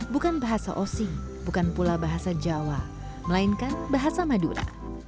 bukan bahasa osing bukan pula bahasa jawa melainkan bahasa madura